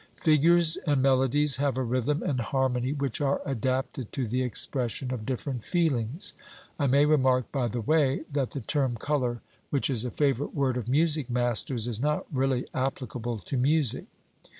Figures and melodies have a rhythm and harmony which are adapted to the expression of different feelings (I may remark, by the way, that the term 'colour,' which is a favourite word of music masters, is not really applicable to music).